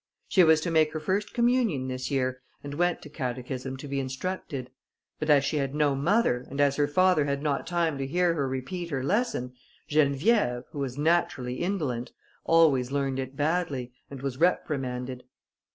She was to make her first communion this year, and went to catechism to be instructed; but as she had no mother, and as her father had not time to hear her repeat her lesson, Geneviève, who was naturally indolent, always learned it badly, and was reprimanded.